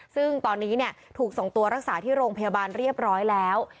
ซึ่งตอนนี้ถูกส่งตัวรักษาที่โรงพยาบาลเรียบร้อยแล้ว